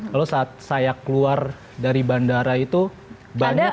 lalu saat saya keluar dari bandara itu banyak